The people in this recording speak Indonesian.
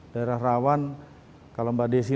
daerah rawan kalau mbak desi